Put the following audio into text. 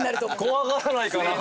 怖がらないかな。